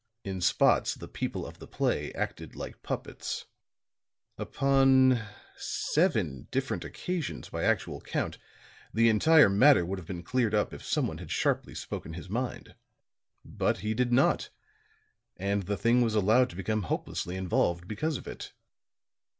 In spots, the people of the play acted like puppets; upon seven different occasions, by actual count, the entire matter would have been cleared up if someone had sharply spoken his mind. But he did not, and the thing was allowed to become hopelessly involved because of it."